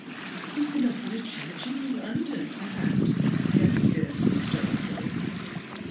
" You have been offered a church in London perhaps," gasped Gertrude dolefully.